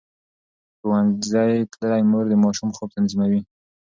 ښوونځې تللې مور د ماشوم خوب منظموي.